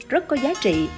rất có giá trị